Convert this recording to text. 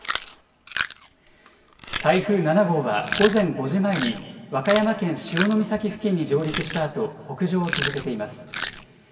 台風７号は午前５時前に、和歌山県潮岬付近に上陸したあと、北上を続けています。